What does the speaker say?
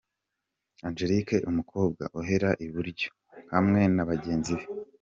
Angelique Umukobwa, uhera iburyo, hamwe na bagenzi be.